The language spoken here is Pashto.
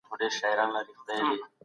اوس معلوماتو ته لاسرسی ډېر اسانه سوی دی.